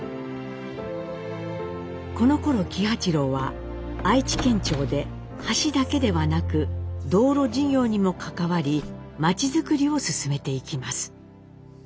このころ喜八郎は愛知県庁で橋だけではなく道路事業にも関わり町づくりを進めていきます。